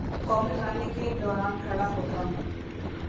قومی ترانے کے دوراں کھڑا ہوتا ہوں